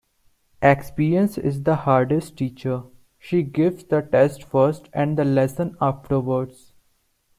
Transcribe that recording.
Experience is the hardest teacher. She gives the test first and the lesson afterwards.